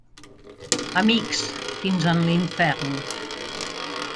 Amics, fins en l'infern.